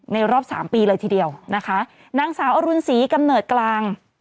รอบสามปีเลยทีเดียวนะคะนางสาวอรุณศรีกำเนิดกลาง